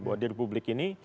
buat diri publik ini